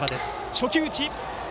初球打ち！